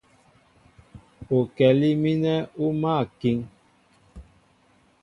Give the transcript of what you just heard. Ukɛlí mínɛ́ ú máál a kíŋ.